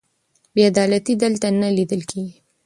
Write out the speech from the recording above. بې عدالتي دلته نه لیدل کېږي.